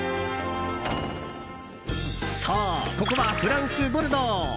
そう、ここはフランス・ボルドー。